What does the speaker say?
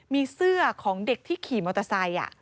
มีเสื้อของเด็กที่ขี่มอเตอร์ไซค์